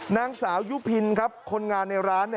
นางสาวยุพินครับคนงานในร้าน